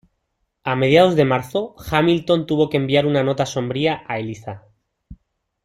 A mediados de marzo, Hamilton tuvo que enviar una nota sombría a Eliza.